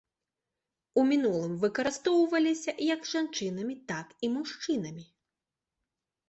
У мінулым выкарыстоўваліся як жанчынамі, так і мужчынамі.